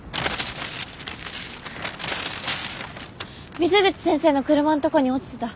水口先生の車のとこに落ちてた。